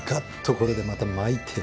これでまた巻いて。